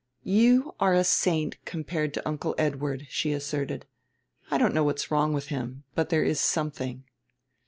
"You are a saint compared to Uncle Edward," she asserted. "I don't know what's wrong with him, but there is something."